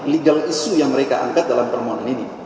legal issue yang mereka angkat dalam permohonan ini